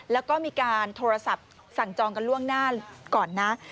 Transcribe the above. แล้วก็มีการโทรศัพท์สั่งจองกันล่วงหน้าก่อนนะ